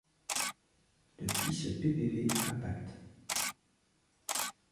Depuis ce ppv, Impact!